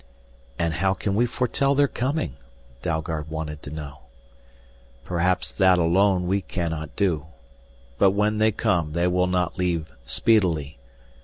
"And how can we foretell their coming?" Dalgard wanted to know. "Perhaps that alone we cannot do. But when they come they will not leave speedily.